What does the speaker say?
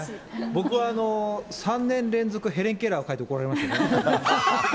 僕は３年連続、ヘレンケラーを書いて怒られましたね。